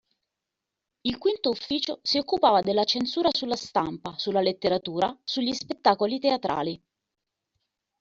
Il V Ufficio si occupava della censura sulla stampa, sulla letteratura, sugli spettacoli teatrali.